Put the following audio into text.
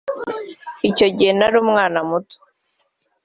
icyo gihe nari umwana muto cyane